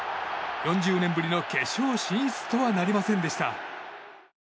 ４０年ぶりの決勝進出とはなりませんでした。